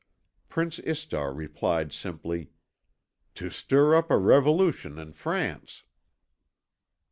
Prince Istar replied simply: "To stir up a revolution in France."